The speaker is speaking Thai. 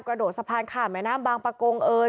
กระโดดสะพานขาดแม่น้ำบางปะโกงเอ่ย